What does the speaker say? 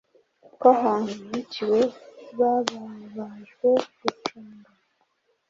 Ko ahantu hiciwe bababajwe gucunga